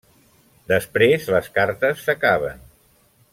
Després les cartes s'acaben.